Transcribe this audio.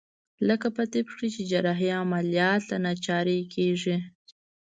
لکه په طب کښې چې جراحي عمليات له ناچارۍ کېږي.